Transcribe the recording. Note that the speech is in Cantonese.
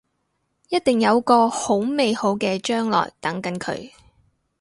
一定有個好美好嘅將來等緊佢